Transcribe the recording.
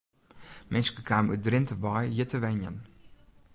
Minsken kamen út Drinte wei hjir te wenjen.